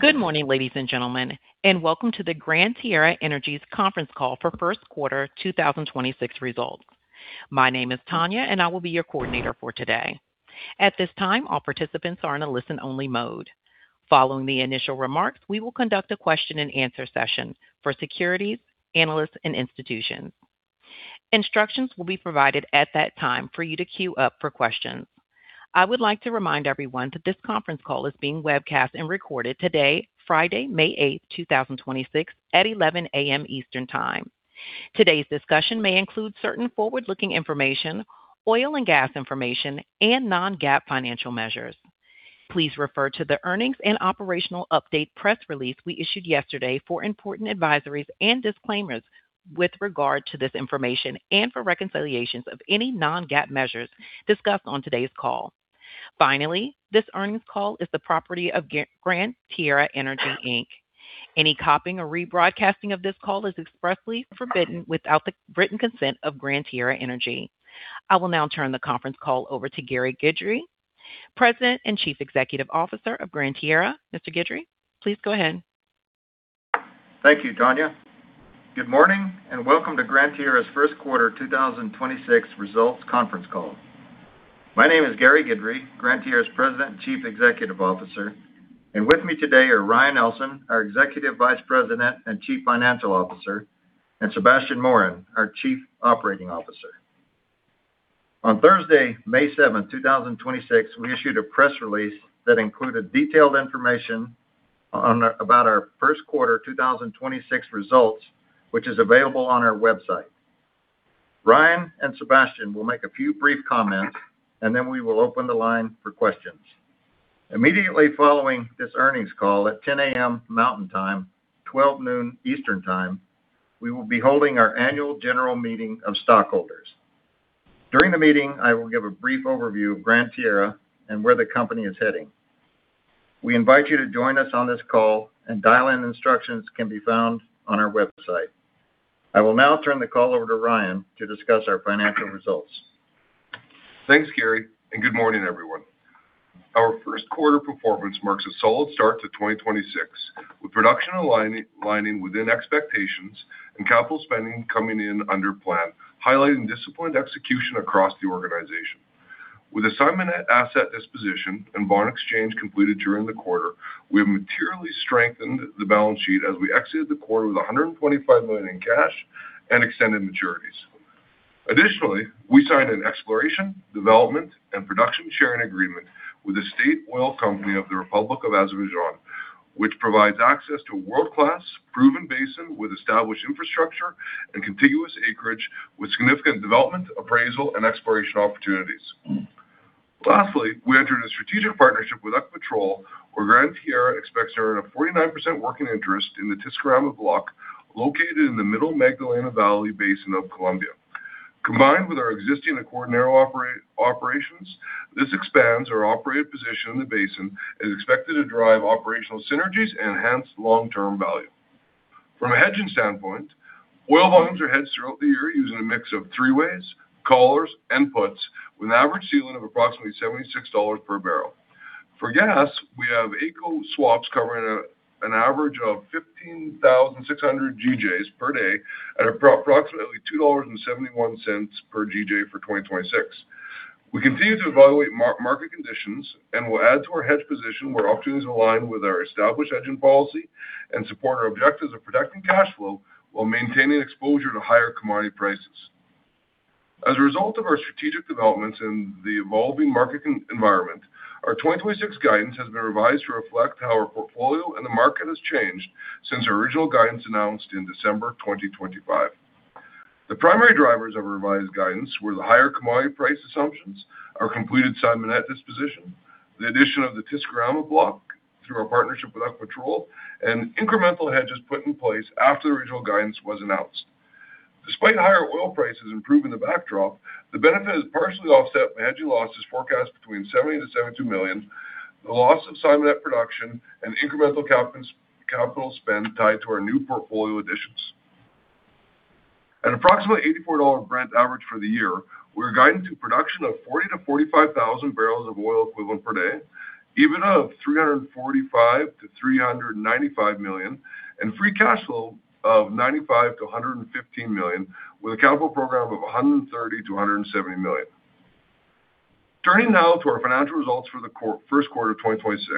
Good morning, ladies and gentlemen, Welcome to the Gran Tierra Energy's Conference Call for First Quarter 2026 Results. My name is Tanya, I will be your coordinator for today. At this time, all participants are in a listen-only mode. Following the initial remarks, we will conduct a question and answer session for securities, analysts, and institutions. Instructions will be provided at that time for you to queue up for questions. I would like to remind everyone that this conference call is being webcast and recorded today, Friday, May eighth, 2026, at 11:00 A.M. Eastern Time. Today's discussion may include certain forward-looking information, oil and gas information, and non-GAAP financial measures. Please refer to the earnings and operational update press release we issued yesterday for important advisories and disclaimers with regard to this information and for reconciliations of any non-GAAP measures discussed on today's call. This earnings call is the property of Gran Tierra Energy Inc. Any copying or rebroadcasting of this call is expressly forbidden without the written consent of Gran Tierra Energy. I will now turn the conference call over to Gary Guidry, President and Chief Executive Officer of Gran Tierra. Mr. Guidry, please go ahead. Thank you, Tanya. Good morning, welcome to Gran Tierra's first quarter 2026 results conference call. My name is Gary Guidry, Gran Tierra's President and Chief Executive Officer. With me today are Ryan Ellson, our Executive Vice President and Chief Financial Officer, and Sebastien Morin, our Chief Operating Officer. On Thursday, May 7, 2026, we issued a press release that included detailed information about our first quarter 2026 results, which is available on our website. Ryan and Sebastien will make a few brief comments. Then we will open the line for questions. Immediately following this earnings call at 10:00 A.M. Mountain Time, 12:00 P.M. Eastern Time, we will be holding our annual general meeting of stockholders. During the meeting, I will give a brief overview of Gran Tierra and where the company is heading. We invite you to join us on this call and dial-in instructions can be found on our website. I will now turn the call over to Ryan to discuss our financial results. Thanks, Gary, and good morning, everyone. Our 1st quarter performance marks a solid start to 2026, with production aligning within expectations and capital spending coming in under plan, highlighting disciplined execution across the organization. With asset disposition and bond exchange completed during the quarter, we have materially strengthened the balance sheet as we exited the quarter with $125 million in cash and extended maturities. Additionally, we signed an exploration, development, and production sharing agreement with the State Oil Company of the Republic of Azerbaijan, which provides access to a world-class proven basin with established infrastructure and contiguous acreage with significant development, appraisal, and exploration opportunities. Lastly, we entered a strategic partnership with Ecopetrol, where Gran Tierra expects to earn a 49% working interest in the Tisquirama block located in the Middle Magdalena Valley Basin of Colombia. Combined with our existing Acordionero operations, this expands our operated position in the basin and is expected to drive operational synergies and enhance long-term value. From a hedging standpoint, oil volumes are hedged throughout the year using a mix of three ways, collars, and puts with an average ceiling of approximately $76 per barrel. For gas, we have AECO swaps covering an average of 15,600 GJs per day at approximately $2.71 per GJ for 2026. We continue to evaluate market conditions and will add to our hedge position where opportunities align with our established hedging policy and support our objectives of protecting cash flow while maintaining exposure to higher commodity prices. As a result of our strategic developments in the evolving market environment, our 2026 guidance has been revised to reflect how our portfolio and the market has changed since our original guidance announced in December 2025. The primary drivers of revised guidance were the higher commodity price assumptions, our completed Simonette disposition, the addition of the Tisquirama block through our partnership with Ecopetrol, and incremental hedges put in place after the original guidance was announced. Despite higher oil prices improving the backdrop, the benefit is partially offset by hedging losses forecast between $70 million-$72 million, the loss of Simonette production, and incremental capital spend tied to our new portfolio additions. At approximately $84 Brent average for the year, we're guiding to production of 40,000-45,000 barrels of oil equivalent per day, EBITDA of $345 million-$395 million, and free cash flow of $95 million-$115 million, with a capital program of $130 million-$170 million. Turning now to our financial results for the first quarter of 2026,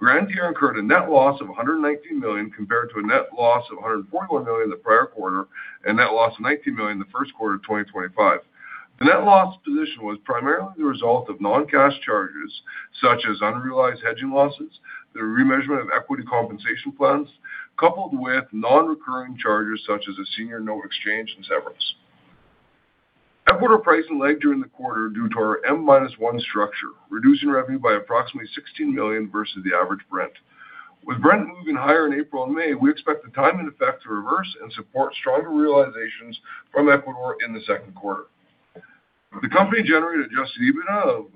Gran Tierra incurred a net loss of $119 million compared to a net loss of $141 million in the prior quarter and net loss of $90 million in the first quarter of 2025. The net loss position was primarily the result of non-cash charges such as unrealized hedging losses, the remeasurement of equity compensation plans, coupled with non-recurring charges such as a senior note exchange and severance. Ecuador pricing lagged during the quarter due to our M-1 structure, reducing revenue by approximately $16 million versus the average Brent. With Brent moving higher in April and May, we expect the timing effect to reverse and support stronger realizations from Ecuador in the second quarter. The company generated adjusted EBITDA of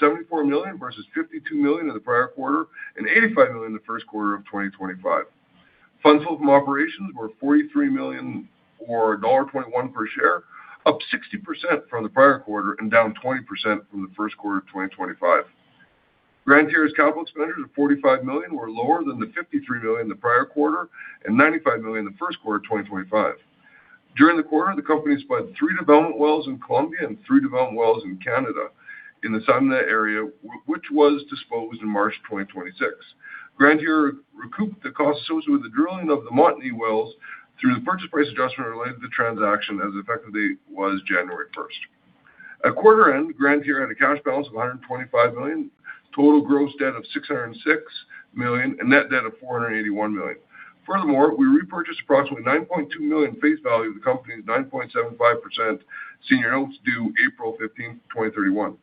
$74 million versus $52 million in the prior quarter and $85 million in the first quarter of 2025. Funds from operations were $43 million or $1.21 per share, up 60% from the prior quarter and down 20% from the first quarter of 2025. Gran Tierra's capital expenditures of $45 million were lower than the $53 million the prior quarter and $95 million the first quarter of 2025. During the quarter, the company spudded 3 development wells in Colombia and 3 development wells in Canada in the Simonette area, which was disposed in March 2026. Gran Tierra recouped the cost associated with the drilling of the Montney wells through the purchase price adjustment related to the transaction as the effective date was January 1st. At quarter end, Gran Tierra had a cash balance of $125 million, total gross debt of $606 million, and net debt of $481 million. Furthermore, we repurchased approximately 9.2 million face value of the company's 9.75% senior notes due April 15th, 2031.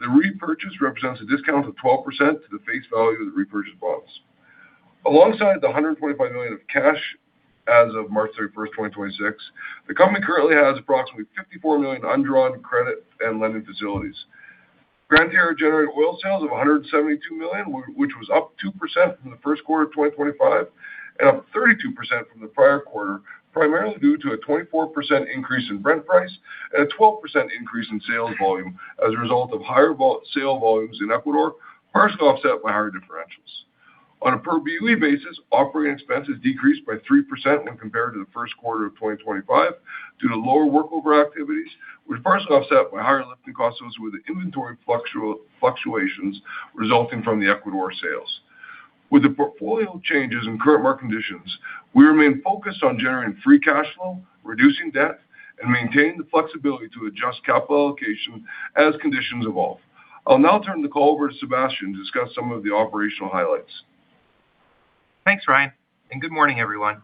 The repurchase represents a discount of 12% to the face value of the repurchased bonds. Alongside the $125 million of cash as of March 31, 2026, the company currently has approximately $54 million undrawn credit and lending facilities. Gran Tierra generated oil sales of $172 million, which was up 2% from the first quarter of 2025 and up 32% from the prior quarter, primarily due to a 24% increase in Brent price and a 12% increase in sales volume as a result of higher sale volumes in Ecuador, partially offset by higher differentials. On a per BOE basis, operating expenses decreased by 3% when compared to the first quarter of 2025 due to lower workover activities, which partially offset by higher lifting costs associated with the inventory fluctuations resulting from the Ecuador sales. With the portfolio changes and current market conditions, we remain focused on generating free cash flow, reducing debt, and maintaining the flexibility to adjust capital allocation as conditions evolve. I'll now turn the call over to Sebastien to discuss some of the operational highlights. Thanks, Ryan, good morning, everyone.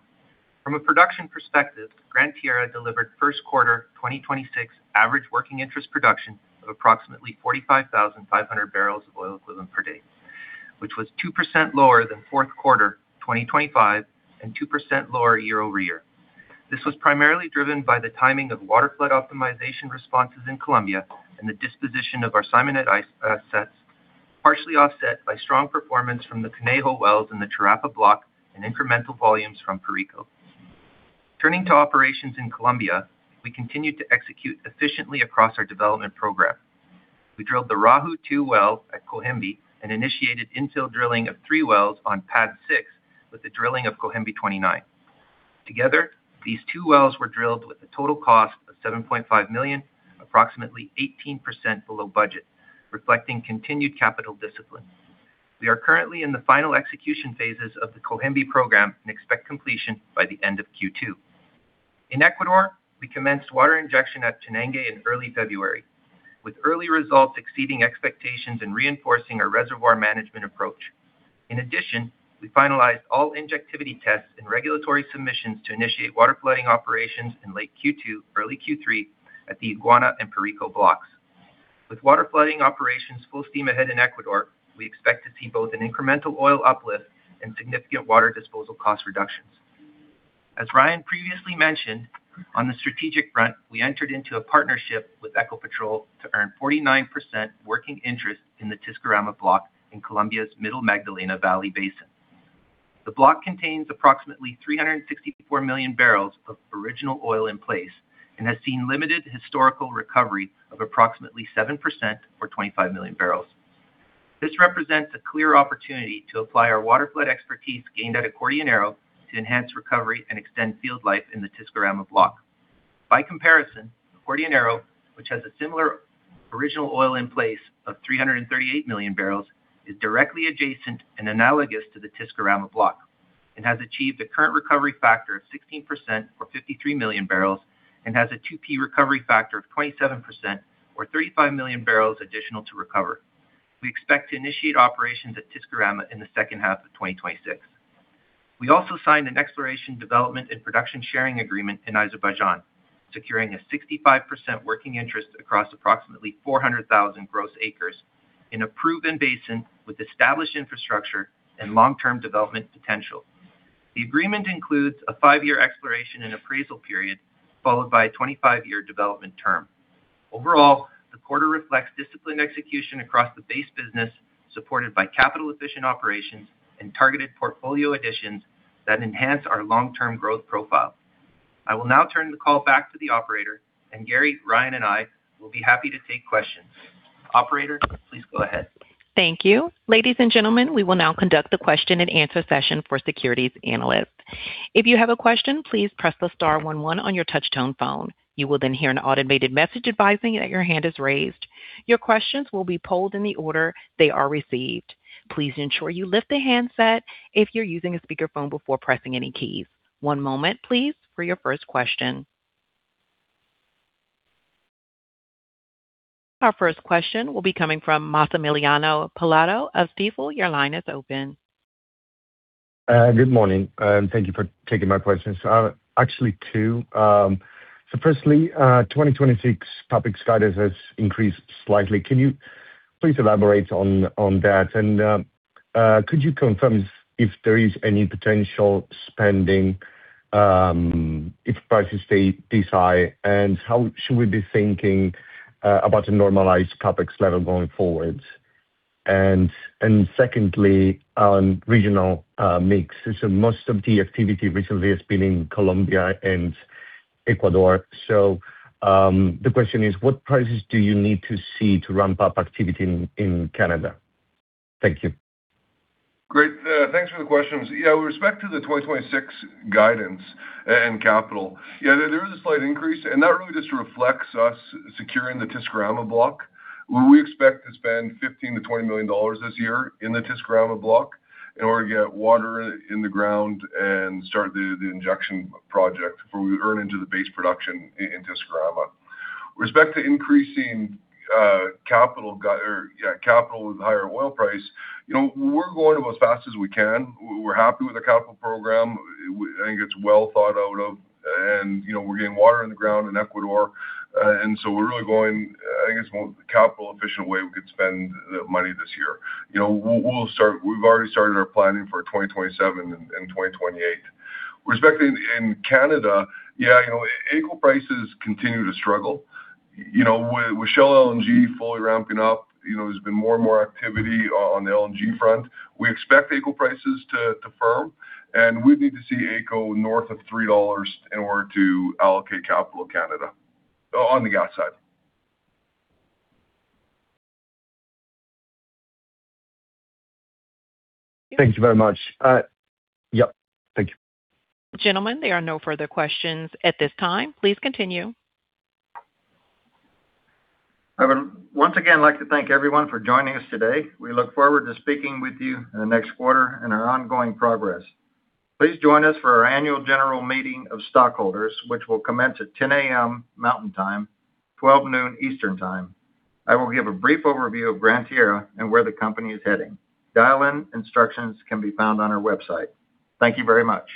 From a production perspective, Gran Tierra delivered first quarter 2026 average working interest production of approximately 45,500 BOE per day, which was 2% lower than fourth quarter 2025 and 2% lower year-over-year. This was primarily driven by the timing of waterflood optimization responses in Colombia and the asset disposition of our Simonette assets, partially offset by strong performance from the Conejo wells in the Charapa block and incremental volumes from Perico. Turning to operations in Colombia, we continued to execute efficiently across our development program. We drilled the Raju-2 well at Cohembi and initiated infill drilling of 3 wells on pad 6 with the drilling of Cohembi-29. Together, these 2 wells were drilled with a total cost of $7.5 million, approximately 18% below budget, reflecting continued capital discipline. We are currently in the final execution phases of the Cohemvi program and expect completion by the end of Q2. In Ecuador, we commenced water injection at Chanangue in early February, with early results exceeding expectations and reinforcing our reservoir management approach. We finalized all injectivity tests and regulatory submissions to initiate waterflooding operations in late Q2, early Q3 at the Iguana and Perico blocks. Waterflooding operations full steam ahead in Ecuador, we expect to see both an incremental oil uplift and significant water disposal cost reductions. As Ryan previously mentioned, on the strategic front, we entered into a partnership with Ecopetrol to earn 49% working interest in the Tisquirama block in Colombia's Middle Magdalena Valley Basin. The block contains approximately 364 million barrels of original oil in place and has seen limited historical recovery of approximately 7% or 25 million barrels. This represents a clear opportunity to apply our waterflood expertise gained at Acordionero to enhance recovery and extend field life in the Tisquirama block. By comparison, Acordionero, which has a similar original oil in place of 338 million barrels, is directly adjacent and analogous to the Tisquirama block and has achieved a current recovery factor of 16% or 53 million barrels and has a 2P recovery factor of 27% or 35 million barrels additional to recover. We expect to initiate operations at Tisquirama in the second half of 2026. We also signed an exploration, development, and production sharing agreement in Azerbaijan, securing a 65% working interest across approximately 400,000 gross acres in a proven basin with established infrastructure and long-term development potential. The agreement includes a 5-year exploration and appraisal period, followed by a 25-year development term. Overall, the quarter reflects disciplined execution across the base business, supported by capital-efficient operations and targeted portfolio additions that enhance our long-term growth profile. I will now turn the call back to the operator, and Gary, Ryan, and I will be happy to take questions. Operator, please go ahead. Thank you. Ladies and gentlemen, we will now conduct the question-and-answer session for securities analysts. [If you have a question please press the star one one on your touch tone phone. You would be hearing an automated massage advicing as your hand is raised. Your question will be polled in the order they are received. Please ensure you lift the handset if you're using the speakerphone before pressing any keys. One moment please, before your first question.] First question will be coming from Massimiliano Pilato of Stifel. Good morning, and thank you for taking my questions. Actually two. Firstly, 2026 CapEx guidance has increased slightly. Can you please elaborate on that? Could you confirm if there is any potential spending if prices stay this high? How should we be thinking about a normalized CapEx level going forward? Secondly, on regional mix. Most of the activity recently has been in Colombia and Ecuador. The question is, what prices do you need to see to ramp up activity in Canada? Thank you. Great. Thanks for the questions. With respect to the 2026 guidance and capital. There is a slight increase, and that really just reflects us securing the Tisquirama block, where we expect to spend $15 million-$20 million this year in the Tisquirama block in order to get water in the ground and start the injection project before we earn into the base production in Tisquirama. With respect to increasing capital with higher oil price, you know, we're going as fast as we can. We're happy with the capital program. I think it's well thought out of, and, you know, we're getting water in the ground in Ecuador. We're really going, I guess, more capital efficient way we could spend the money this year. You know, we'll we've already started our planning for 2027 and 2028. With respect to in Canada, yeah, you know, AECO prices continue to struggle. You know, with LNG Canada fully ramping up, you know, there's been more and more activity on the LNG front. We expect AECO prices to firm, and we'd need to see AECO north of $3 in order to allocate capital Canada on the gas side. Thank you very much. yep. Thank you. Gentlemen, there are no further questions at this time. Please continue. I would once again like to thank everyone for joining us today. We look forward to speaking with you in the next quarter in our ongoing progress. Please join us for our annual general meeting of stockholders, which will commence at 10:00 A.M. Mountain Time, 12:00 P.M. Eastern Time. I will give a brief overview of Gran Tierra and where the company is heading. Dial-in instructions can be found on our website. Thank you very much.